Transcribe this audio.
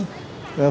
đúng không ạ